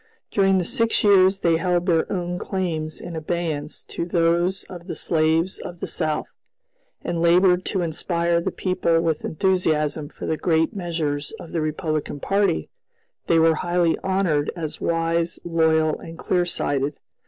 During the six years they held their own claims in abeyance to those of the slaves of the South, and labored to inspire the people with enthusiasm for the great measures of the Republican party, they were highly honored as "wise, loyal, and clear sighted."